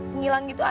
menghilang gitu aja